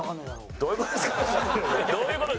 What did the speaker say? どういう事ですか？